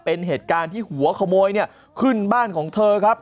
เป็นเหตุการณ์ที่หัวขโมยเนี่ยขึ้นบ้านของเธอครับ